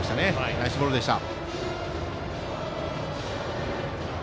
ナイスボールでした。